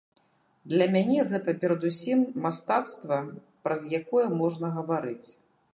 Для мяне гэта перадусім мастацтва, праз якое можна гаварыць.